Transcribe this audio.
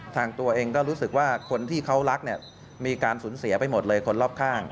ตัวเองก็รู้สึกว่าคนที่เขารักเนี่ยมีการสูญเสียไปหมดเลยคนรอบข้าง